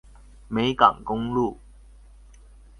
美港公路